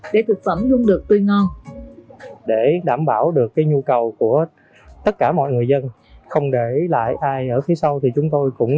để thực phẩm luôn được tươi ngon